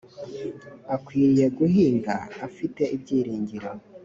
akwiriye guhinga afite ibyiringiro